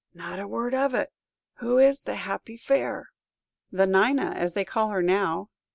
"Not a word of it. Who is the happy fair?" "The Nina, as they call her now.